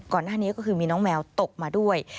ก่อนหน้านี้ก็คือมีน้องแมวตกมาด้วย